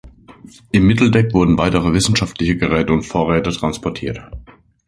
Im Mitteldeck wurden weitere wissenschaftliche Geräte und Vorräte transportiert.